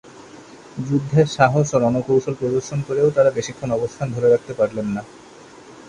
যুদ্ধে সাহস ও রণকৌশল প্রদর্শন করেও তারা বেশিক্ষণ অবস্থান ধরে রাখতে পারলেন না।